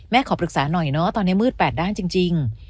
ขอปรึกษาหน่อยเนาะตอนนี้มืดแปดด้านจริง